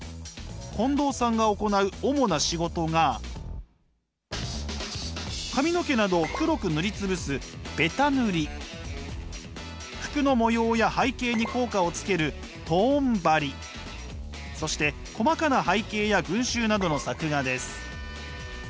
近藤さんが行う主な仕事が髪の毛などを黒く塗り潰すベタ塗り服の模様や背景に効果をつけるトーン貼りそして細かな背景や群集などの作画です。